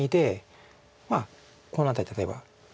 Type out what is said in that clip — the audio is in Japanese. まあこの辺り例えば守って。